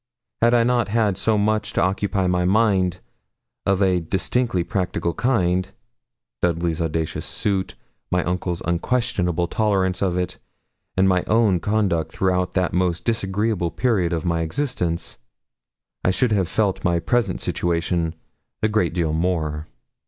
Had I not had so much to occupy my mind of a distinctly practical kind Dudley's audacious suit, my uncle's questionable toleration of it, and my own conduct throughout that most disagreeable period of my existence, I should have felt my present situation a great deal more.